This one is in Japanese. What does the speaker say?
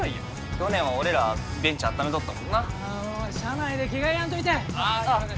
去年は俺らベンチあっためとったもんな車内で着替えやんといてほらほらああすいません